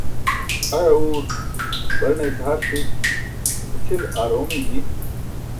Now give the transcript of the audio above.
aẏa urk barena ise har ṣi, ite cʰil aar oomiy bi